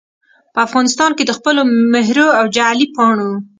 په افغانستان کې دخپلو مهرو او جعلي پاڼو